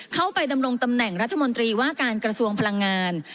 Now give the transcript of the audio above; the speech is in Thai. ดำรงตำแหน่งรัฐมนตรีว่าการกระทรวงพลังงาน